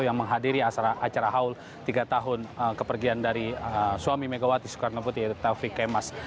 yang menghadiri acara haul tiga tahun kepergian dari suami megawati soekarno putri taufik kemas